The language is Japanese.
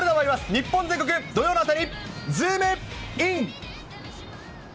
日本全国、土曜の朝にズームイン！！